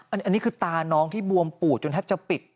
อันนี้คือตาน้องที่บวมปูดจนแทบจะปิด